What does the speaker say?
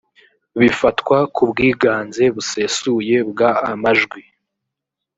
bifatwa ku bwiganze busesuye bw amajwi